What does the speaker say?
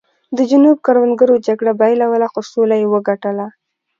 د جنوب کروندګرو جګړه بایلوله خو سوله یې وګټله.